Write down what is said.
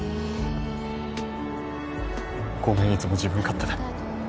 ごめんいつも自分勝手で。